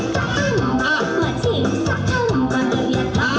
เข้ามามาแอ๊ะเยอะเยอะ